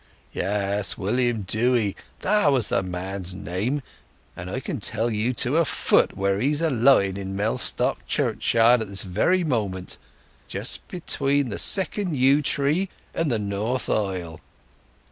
Yes, William Dewy, that was the man's name; and I can tell you to a foot where's he a lying in Mellstock Churchyard at this very moment—just between the second yew tree and the north aisle."